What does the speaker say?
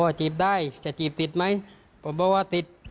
จีบได้จะจีบติดไหมผมบอกว่าติด